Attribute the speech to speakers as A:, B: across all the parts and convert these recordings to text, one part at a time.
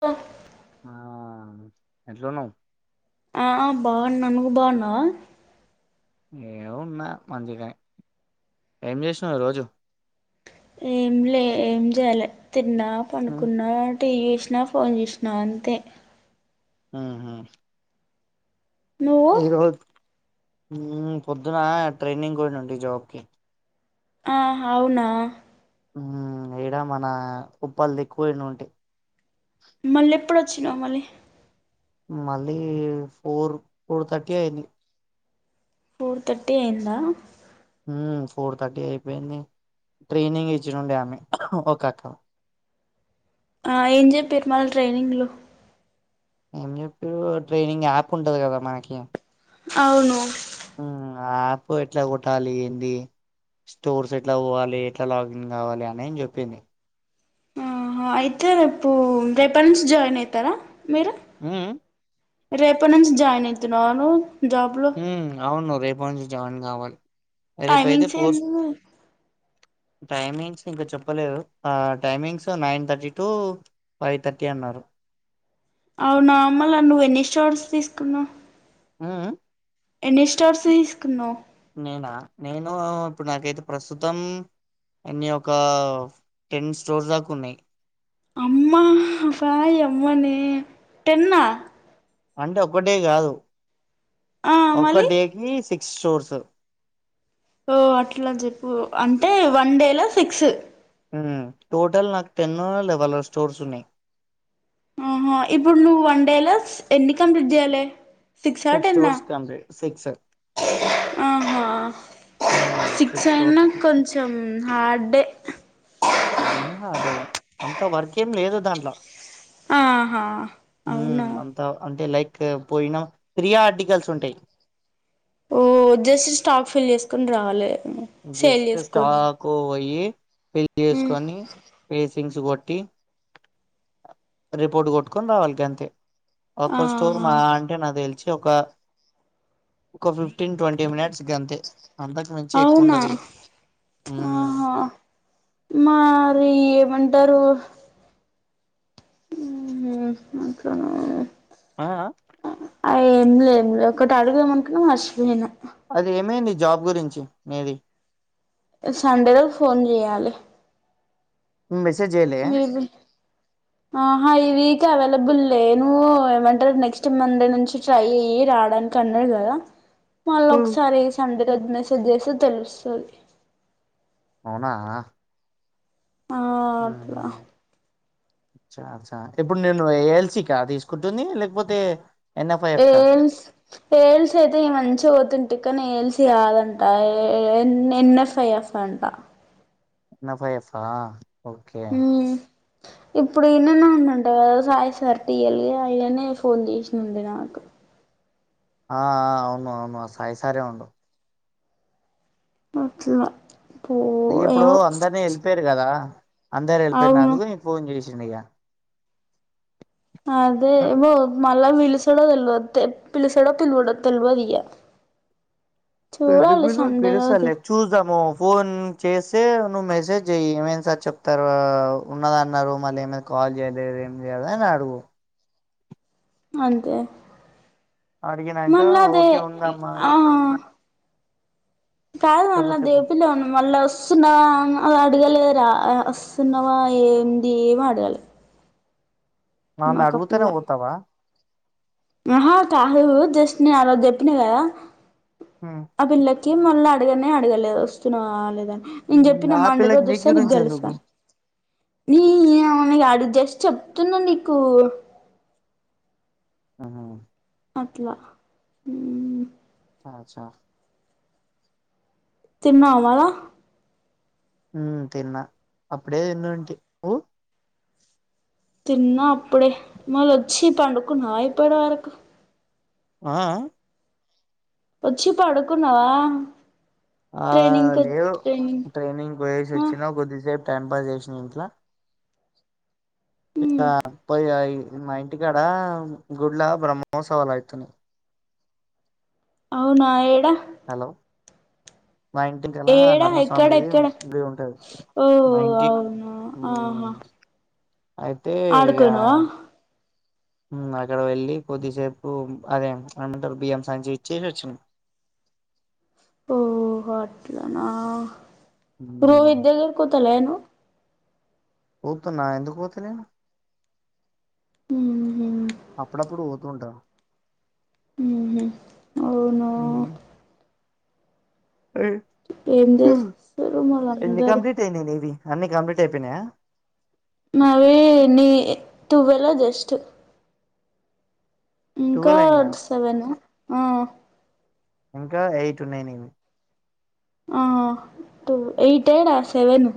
A: తా
B: ఆ ఎంట్లన్నావు
A: ఆ బాగున్నా నువ్వు బాగున్నావా
B: ఏమున్నా మంచిగా ఏం చేసినవు ఈ రోజు
A: ఏం లే ఏం చేయాలె తిన్నా పనుకున్న టీవీ చూసినా ఫోన్ చూసినా అంతే
B: ఆ హా
A: నువ్వు
B: ఇ రోజ్ ఊ పొద్దున ట్రైనింగ్ కు పొయినాండి జాబ్ కి
A: ఆహ అవునా
B: ఇడ మన ఉప్పల్ ది ఎక్కువనా ఉంటాయి
A: మల్లెప్పుడు వచ్చినమళి
B: మళ్ళీ ఫోర్ ఫోర్ థర్టీ అయింది
A: ఫోర్ థర్టీ అయిందా
B: హుమ్ ఫోర్ థర్టీ అయిపోయింది ట్రైనింగ్ ఇచ్చినండే ఆమె ఒక్క
A: ఆ ఏం చెప్పిారు మళ ట్రైనింగ్ లో
B: ఏం చెప్పిారు ట్రైనింగ్ యాప్ ఉంటది కదా మనకి
A: అవును
B: హుమ్ యాప్ ఎట్లా కొట్టాలి ఏంది స్టోర్స్ ఎట్లా పోవ్వాలి ఎట్లా లాగిన్ కావాలి అని చెప్పింది
A: ఆహ అయితే రేపు రేపటి నుంచి జాయిన్ అవుతారా మీరు
B: ఉమ్,
A: రేపటి నుంచి జాయిన్ అయితున్నావా నువ్వు జాబ్లో
B: హూ అవును రేపు ంచి జాన్ కావాలి
A: టైమింగ్స్ ఎందు
B: టైమింగ్స్ ఇంకా చెప్పలేదు ఆ timings nine thirty to five thirty అన్నారు
A: అవునా మలా నువ్వు ఎన్ని షార్ట్స్ తీసుకున్నావు్
B: ఆ
A: ఎన్నిస్టార్స్ తీసుకున్నావ్
B: నేనా? నేను ఇప్పుడు నాకైతే ప్రస్తుతం ఎన్ని ఒక టెన్ స్టోర్ దాకా ఉన్నాయి
A: అమ్మా పయ అమ్మనే టెన్నా
B: అంటే ఒక్కటే కాదు
A: ఆ
B: ఒక
A: మళ్ళీ
B: డేకి తి స్టోర్స్
A: ఓ అట్లా చెప్పు అంటే వన్ డేలా సిక్స్
B: హూ టోటల్ నాకు టెన్ లెవెన్ స్టోర్స్ ఉన్నాయ్
A: ఆహా ఇప్పుడు నువ్వు వన్డేల ఎన్ని కంప్లీట్ చేయ్యాలే
B: సిక్స్ స్టోర్స్ కంప్లీట్ సిక్స్
A: ఆహా సిక్స్
B: స్టోర్స్
A: అయినా కొంచెం హార్డే
B: అయినా అడు అంత వర్కెమీ లేదు దాంట్లో
A: ఆహా అవునా
B: పోయినా ఫ్రీ ఆర్టికల్స్ ఉంటాయి
A: ఓ జస్ట్ స్టాక్ ఫిల్ చేసుకుని రావాలి సేల్
B: జస్ట్
A: చేసుకొని
B: స్టాకు వయి వెళ్ళి చేసుకొని వ థింగ్స్ కొట్టి రిపోర్ట్ కొట్టుకొని రావాలికి అంతే ఒక్క స్టోర్
A: ఆహా
B: మా అంటే నా తెలిసి ఒక ఒక ఫిఫ్టీన్ ట్వంటీ మినిట్స్ ఇగ అంతే అంతకు మించి ఎ
A: ఆ ఆహా మారి ఎమం దరువు ఉమ్ ఓకే
B: ఆ అ
A: ఇంలేంలే ఒకటి అడుగమనుకున్నా మర్శపోయినా
B: అది ఏమేని జాబ్ గురించి మీది
A: సండేలో ఫోన్ జేయాలి
B: ను మస్సాజ్ జేయలే
A: ఆహా ఇవీక్ అవైలబుల్ లే నువ్వు ఏమంటారు నెక్స్ట్ మండే నుంచి ట్రై అయ్యి రావడానికి అన్నాడు కదా మళ్ళ
B: ఉమ్.
A: ఒకసారి సండే ఎది మెసేజ్ చేస్తే తెలుస్తది
B: అవునా
A: ఆ
B: ఉహు
A: అట్లా
B: చ చ ఇప్పుడు నేను ఎ ఎల్సిక తీసుకుంటుంది లేకపోతే ఎన్ఎఫ్ఐఎఫ్ కా
A: ఏల్స్ ఏల్స్ అయితే ఈ మంచగ తిటికన్ ఏల్సియాదంట ఏ ఎన్ ఎన్ఎఫ్ ఐఎఫ్ అంట
B: నా ఫై ఎఫా ఓకే
A: అంట ఇప్పుడు ఈననే ఉన్నంట కదా సాయి సార్ టీయల్ గ అయనే ఫోన్ చేసింది నాకు
B: ఆ ఆ అవును అవును సాయి సారే ఉండు
A: అట్ల
B: ఇగ ఇప్పుడు అందరినీ ఎళ్ళిపోయారు కదా అందరు
A: అవును
B: ఎళ్ళపోయినందుకు నీ ఫోన్ జేషి చిండిగా
A: అదే వో మళ్ళ విలుస్ డ తెల్వ తె పిలుసడ పిల్వడో తెల్వదయా
B: చూస్ దాము ఫోన్ చేస్తే నువ్వు మెసేజ్ చెయ్య ఏమైనా సార్ చెప్తారు ఆ ఉన్నద అన్నారు మళ్ళీ ఏమైనా కాల్ చేయలేదు ఏం లేదు అని అడుగు
A: అంతె
B: అడిగినాక
A: మళ్ల్ళదే
B: ఓకే ఉందమ్మా
A: ఆ కాదు
B: చెప్పు
A: మళ్ళ
B: చెప్పు
A: దేవుపిల్ల ను మళ్ళ ఒస్ వస్తున్నవా అని అడగాలే రా వస్తున్నవా ఏంది ఏమి అడగలే
B: ఆమె
A: మాకు ఆ
B: అడుగుతనే
A: పిల్ల
B: పోతావా
A: ఆహా కాదు జస్ట్ నే ఆ రోజు చెప్పినా కద
B: ఉమ్.
A: ఆ పిల్ల కి మళ్ళ అడగనే అడగలేదు వస్తున్నావాలేద నేను
B: ఉమ్,
A: చెప్పి నా
B: ఆ
A: మండే
B: పిల్లకి
A: రోజు
B: నీ
A: వస్తా నీకు
B: గురించి ఎందుకు
A: కలుస్తాను నీ అవ నీ అడ జస్ట్ చెప్తున్నా నీకు
B: ఆహా
A: అట్లా హ్మ్
B: ఆ చ్చా
A: తిన్నావాలా
B: హ్మ్ తిన్నా అప్పుడే ఎందుంటి నువ్వు
A: తిన్న అప్పుడే మలొచ్చి పండుకున్నా ఇప్పటివరకు
B: ఆ
A: ఒచ్చి పడుకున్నవా
B: ఆ లేవు ట్రైనింగ్ పోయసి
A: ఆ
B: వచ్చినా కొద్దిసేపు టైం పాస్ చేసిన ఇంట్లో ఇక
A: ఉమ్
B: పైఆయి మా ఇంటికాడ గుడ్ల బ్రహ్మోత్సవాలు అయితున్నాయి
A: అవునా ఏడా
B: హలో మా ఇంటికలా
A: ఏడా
B: నర్మస్వామి
A: ఎక్కడ
B: ఇది
A: ఎక్కడ
B: ఇది ఉంటది
A: ఓ
B: మా ఇంటికి
A: అవునా
B: హ్మ్
A: ఆహా
B: అయితే ఇగ
A: ఆడుకున్నావా
B: హ్మ్అక్కడ వెళ్ళి కొద్దిసేపు అదే అనంటారు బియ్యం సంచి ఇచ్చేసి వచ్చిన
A: ఓ అట్లనా రోహిత్ దగ్గర పోతలేను
B: పోతున్నా ఎందుకు పోతే నేను
A: ఉహు
B: అప్పుడప్పుడు పో ఉంటాను
A: ఊహూ అవునా
B: ఉమ్, ఏ
A: ఏం
B: హ్మ్
A: చేస్తారు
B: ఎన్ని
A: మళ్ళందరూ
B: కంప్లీట్ అయినాయి నీది అన్నీ కంప్లీట్ అయిపోయినాయా
A: మావి నీ తువ్వెలో జస్ట్ ఇంకా
B: టువల్ అయినాయా
A: సెవెను ఆ
B: ఇంకా ఎయిట్ నైన్ ఇంది
A: ఆ టు ఎయిట్ ఏడా సెవెన్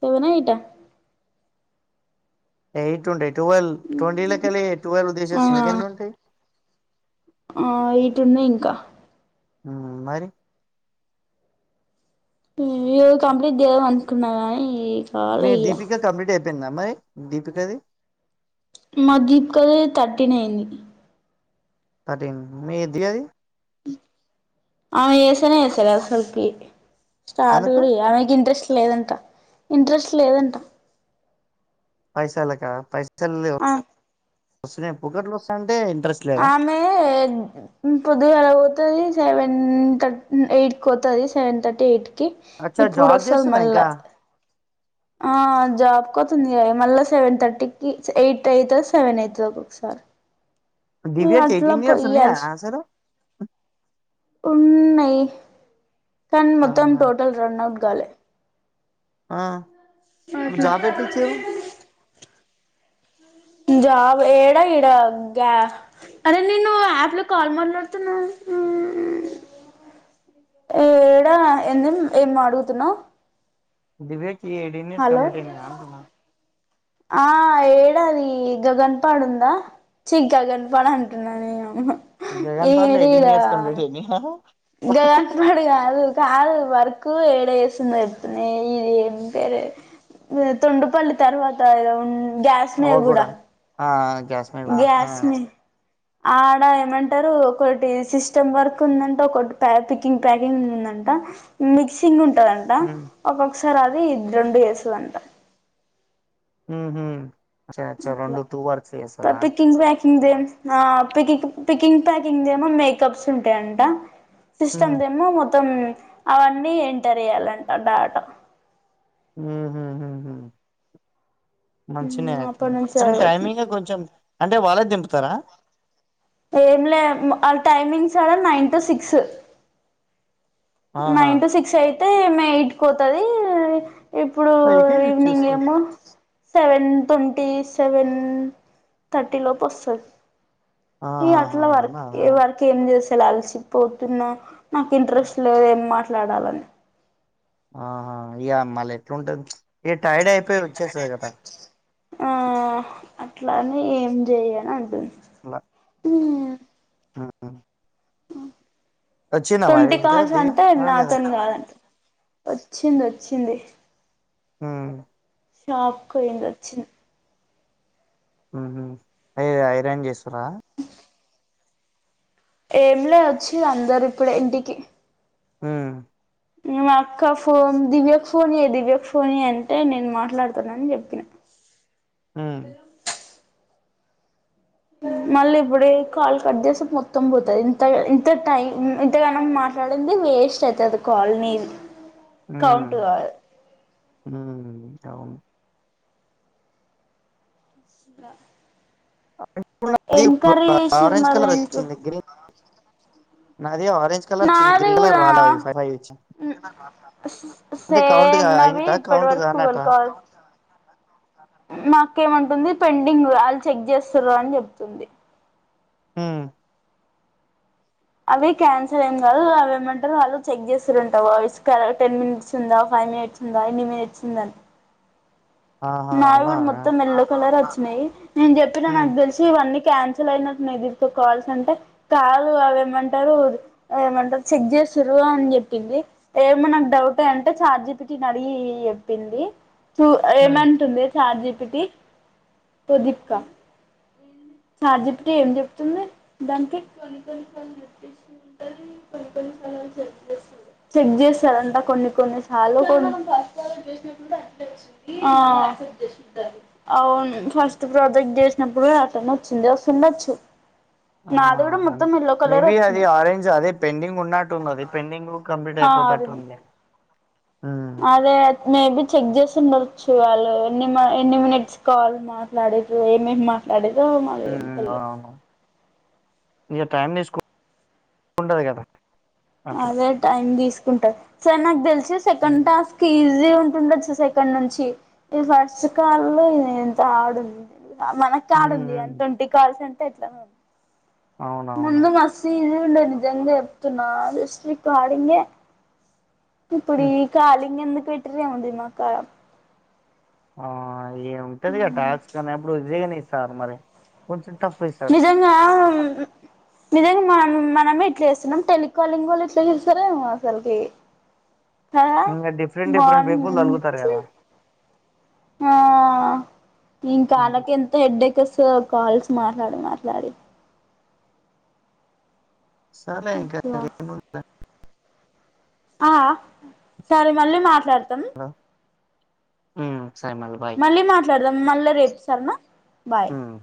A: సెవెనా ఎయిటా
B: ఎయిట్ ఉంట ఎయిట్ ట్వల్ ట్వంటీలోకెల్లి ట్వల్వ్
A: ఆ
B: తీసిసేస్తే ఇంకెన్ని ఉంటాయి
A: ఆ ఎయిట్ ఉన్నాయి ఇంకా
B: హ్మ్ మరి
A: ఇ కంప్లీట్ చేయలేము అన్ కున్నావ ఇ
B: మీ దీపిక కంప్లీట్ అయిపోయింద మరి దీపికది
A: మా దీపికది థర్టీన్ అయింది
B: థర్టీన్ మీ ఏద్దిగది
A: ఆమె ఏసనా ఏసలే అసల్ కి స్టార్ట్
B: ఎందుకు
A: కూడా ఆమె ఇంట్రెస్ట్ లేదంట ఇంట్రెస్ట్ లేదంట
B: పైసల్ కా పై తెళ్ల
A: ఆ
B: వస్తున్నాయి పుగట్లు వస్తాంటే ఇంట్రెస్ట్ లేదా
A: ఆమె పొద్దుగాల పోతది సెవెన్ థర్ ఎయిట్ కి పోతది సెవెన్ థర్టీ ఎయిట్
B: అచ్చా
A: ఇప్పుడు
B: జాబ్
A: వస్తాది
B: చేస్తుందా
A: మళ్ళా
B: ఇంకా
A: ఆ జాబ్ కి పోతుంది కదా మళ్ళ సెవెన్ థర్టీకి ఎయిట్ అయితది సెవెన్ అయితది ఒకొక్క సారి
B: దివ్యా కి ఎయిటీన్ ఇయర్స్ ఉన్నాయా అసలు
A: ఉన్నాయ్ కన్ మొత్తం
B: ఆహా
A: టోటల్ రన్ అవు ఇకాలే
B: ఆ మరి
A: అట్లా
B: జాబ్ ఎట్ల ఇచ్చిరు
A: జాబ్ ఏడా ఈడా గ్యా అరే నేను యాప్ లో కాల్ మాట్లాడుతున్నా ఏడా ఏం అడుగుతున్నా
B: డిబేట్ ఈ ఎయిటీన్ ఇయర్స్ కంప్లీట్ అయినాయ అంటున్న
A: ఆ ఏడది గగణపడ్ ఉందా చి గగణపడ్ అంటున్నాను నేను
B: జగన్ పలే ఎయిటీన్ ఇయర్స్ కంప్లీట్ అయినాయ
A: గగణపడ్ కాదు కాదు వర్క్ ఏడ వేసిందో చెప్ ఇది ఏంటిది తొండుపల్లి తర్వాత ఏదో ఉన్ గ్యాస్ నే గుడా
B: గ్యాస్మై కూడా ఆహ్
A: ఆడ ఏమంటారు ఒకటి సిస్టమ్ వర్క్ ఉందంట ఒకటి ప పికింగ్ ప్యాకింగ్ ఉందంట మిక్సింగ్ ఉం ఉంటది అంట
B: మ్మ్.
A: ఒక సర్ అది రెండు చేస్తది అంటా
B: హా సెచ్చా రెండు టూ వర్స్ చేస్తరా
A: పంగ్ పింగ్ పికింగ్ ప్యాకింగ్ ఏమో మేకప్స్ ఉంటాయంట సిస్టమ్ దమ్ము మొత్తం అవ అన్నీ ఎంటర్ చేయ్యాలంట డాటా
B: ఊహు ఊహు ఊహు మంచిన అయితే
A: అప్పటి నుంచి
B: కానీ
A: చదువుతుంది
B: టైమింగ్ కొంచెం అంటే వాళ్ళే దింపు త్తరా
A: ఏం లే వాళ్ళ టైమింగ్స్ అడ నైన్ టు సిక్స్
B: ఆహా
A: నైన్ టు సిక్స్ ఎయిట్ టే మేయిట్ కోతది ఇప్పుడు
B: పైకి
A: ఈవినింగ్
B: ఇచ్చేస్తది
A: ఏమో seven twenty seven thirty లోపు వస్తది ఈ
B: ఆహాహా
A: అట్లా వర్క్
B: అవునా
A: ఈ వర్క్ ఏం చేస్త లా అల్సిపోతున్నా నాకు ఇంట్రెస్ట్ లేదే ఏం మాట్లాడాలని
B: ఆహా ఇ అమ్మళ ఎట్లుంటది ఏ టైర్డ్ అయి పేరు వచ్చేసాయి కదా
A: అట్లానే ఏం చెయని అంటుంది
B: అలా
A: ఉ
B: ఆ ఆ
A: ఉ తొంటి
B: ఇంకా
A: కాసు
B: దివ్య
A: అంటే నా
B: రాలేదా
A: తోని కాదే వచ్చింది వచ్చింది
B: ఉ
A: షాక్ కోయిందోచ్చి
B: ఉహు ఐర ఐరన్ చేస్తుర
A: ఏం లే వచ్చి అందరు ఇప్పుడే ఇంటికి
B: హ
A: మా అక్క ఫోన్ దివ్యకు ఫోన్ ఇవ్వు దివ్యకు ఫోన్ ఇవ్వు అంటే నేను మాట్లాడుతున్నాని చెప్పినా
B: ఆ
A: మళ్ళీ ఇప్పుడే కాల్ కట్ చేస్తే మొత్తం పోతది ఇంత ఇంత టైం ఇంతగానం మాట్లాడింది వేస్ట్ అయితది కాల్ మేయిన్
B: అఅ అవును
A: శివ
B: [unintelligible]
A: చేసిర్రు
B: ఆరెంజ్
A: మరి
B: కలర్
A: ఇంట్లో
B: వచ్చింది గ్రీన్ నాది ఆరెంజ్ కలర్ వచ్చింది
A: నాది
B: గ్రీన్ కలర్
A: కూడా
B: రాలే అవి ఫైవ్ ఫైవ్ ఇచ్చి
A: ఉ సే
B: అంటే కౌంట్ గా
A: సేమ్నవి
B: అయినట
A: ఇప్పటి
B: కౌంట్
A: వరకు
B: కానట
A: ఫోన్ కాల్ మా అక్క ఏమ్మంటుంది పెండింగ్ వాళ్ళు చెక్ చేస్తారు అని చెప్తుంది
B: ఉ
A: అవి క్యాన్సల్ ఏం కాదు వాళ్ళు ఏమింటారు వాళ్ళు చెక్ చేస్తారు అంట వాయిస్ కాల్ అవి టెన్ మినిట్స్ ఉందా ఫైవ్ మినిట్స్ ఉందా ఎన్ని మినిట్స్ ఉందని
B: ఆహా
A: నాయి
B: అవునా
A: కూడా మొత్తం ఎల్లో కలర్ వచ్చి స్నే నేను చెప్పిన
B: ఉమ్
A: నాకు తెలిసి ఇవన్నీ క్యాన్సిల్ అయినట్దురుతో కాల్స్ అంటే కాలు అవి ఏమంటారు ఏమంటారు చెక్ చేస్తు్ర అని చెప్పింది ఏమో నాకు డౌటే అంటే చఛార్జీ పటిని అడిగి చెప్పింది
B: ఉమ్
A: ఏమె షార్జీపిటి ప్రదీప్క చాట్ జీ పి టి ఏం చెప్తుంది దానికిలు చెక్ చేస్తారంట కొన్ని కొన్ని సార్లు అవును ఫస్ట్ ప్రాజెక్ట్ చేసినప్పుడు అతను వచ్చింది ఉండచు
B: ఆ మేబి అది
A: వచ్చినాయి
B: ఆరెంజ్ అదే పెండింగ్ ఉన్నట్టుంది అది పెండింగ్ కంప్లీట్
A: ఆ
B: అయిపోతట్టు
A: ఆరింది
B: ఉంది
A: అదే మేబ చెక్ చేసి ఉండొచ్చు వాళ్ళు ఎన్ని ఎన్ని మినిట్స్ కాల్ మాట్లాడే ఏమేమి మాట్లాడే ఇద మాలయం పల్
B: ఇ టైం తీసుకుంటంది కదా అట్లా
A: అదే టైం తీసుకు కుంటారు సార్ నాకు తెలుసు సెకండ్
B: ఉమ్
A: టాస్క్ బజీ ఉంటుండొచ్చ సెకండ్ నుంచి ఇ ఫస్ట్ కాల్ లో ఇది ఎంత ఆడుంది మనకు కాడు ఉంది
B: ఉమ్
A: అని ట్వంటీ పర్సెంట్ ట్లా
B: అవునవును
A: ముందు మస్త ఇ ఉండేది నిజంగా చెప్తున [inaudible] ఇప్పుడు
B: ఉమ్
A: ఈ కాలింగ ఎందు పెటని ఆంది మా క
B: ఆ అ ఉంటదిగా టాస్క్ అనేప్పుడు ఉత్తి గానే ఈస్టర్ సార్ మరి కొంచెం టఫ్ ఇస్తారు
A: నిజంగా నిజంగా మ మమే ఇట్లా చేస్తున్నాం టెలికాలింగ్ వాల్లు ఇట్లా చేస్తారేమో అసలకి
B: ఇకా డిఫరెంట్ డిఫరెంట్ పీపుల్ తలుగుతారు
A: నుంచి
B: ఎద
A: ఆ
B: అట్లా
A: ఇంకాకాలక ఎంత హెడేక్ కాల్స్ మాట్లాడి మాట్లాడి
B: సర్లే ఇంకా ఏ ముంది
A: ఆ సరే మళ్ళీ మాట్లాడు త్తం
B: సైమల్ బాయ్
A: మళ్ళ రేపు సారేనా బాయ్
B: ఉమ్